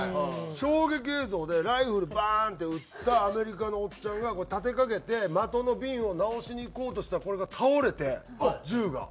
『衝撃映像』でライフルバーンって撃ったアメリカのおっちゃんが立てかけて的の瓶を直しに行こうとしたらこれが倒れて銃が。